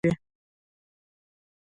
ادبي غونډي د ژبي وده تضمینوي.